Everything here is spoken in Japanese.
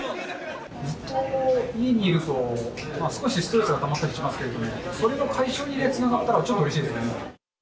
ずっと家にいると、少しストレスがたまったりしますけれども、それの解消につながったら、ちょっとうれしいですね。